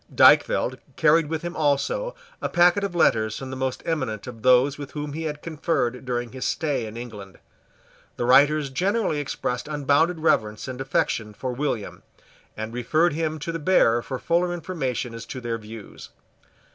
Dykvelt carried with him also a packet of letters from the most eminent of those with whom he had conferred during his stay in England. The writers generally expressed unbounded reverence and affection for William, and referred him to the bearer for fuller information as to their views.